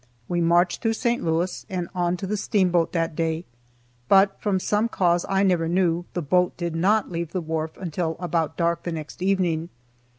We marched through St. Louis and onto the steamboat that day, but from some cause I never knew, the boat did not leave the wharf until about dark the next evening.